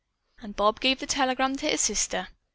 and Bob gave the telegram to his sister.